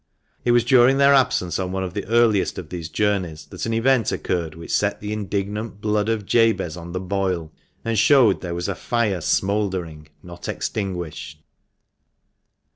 It was during their absence on one of the earliest of these journeys that an event occurred which set the indignant blood of Jabez on the boil, and showed there was a fire smouldering, not extinguished.